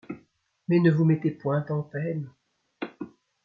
Mais ne vous mettez point en peine !...